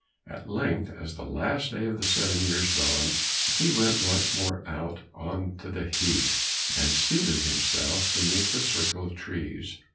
At length, as the last day of the seven years dawned, he went once more out on to the heath, and seated himself beneath the circle of trees.